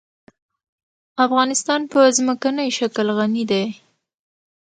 افغانستان په ځمکنی شکل غني دی.